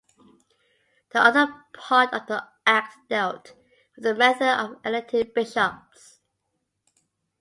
The other part of the Act dealt with the method of electing bishops.